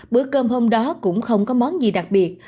bữa cơm hôm đó cũng không có món gì đặc biệt